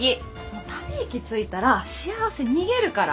ため息ついたら幸せ逃げるから！